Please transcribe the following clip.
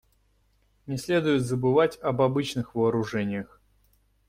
Не следует забывать об обычных вооружениях.